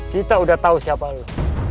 kita udah tau siapa lo